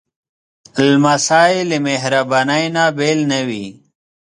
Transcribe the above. لمسی له مهربانۍ نه بېل نه وي.